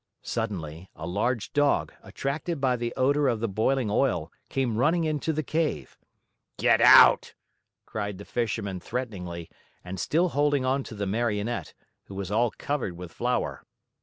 Suddenly, a large Dog, attracted by the odor of the boiling oil, came running into the cave. "Get out!" cried the Fisherman threateningly and still holding onto the Marionette, who was all covered with flour.